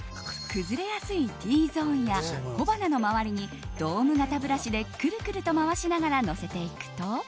崩れやすいＴゾーンや小鼻の周りにドーム形ブラシでくるくると回しながらのせていくと。